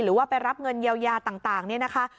หรือว่าไปรับเงินเยียวยาต่างนี่นะคะ